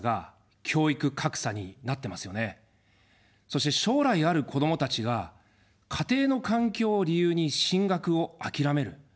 そして将来ある子どもたちが、家庭の環境を理由に進学を諦める。